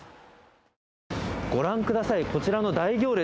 ご覧ください、こちらの大行列。